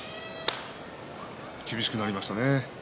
厳しくなりましたね。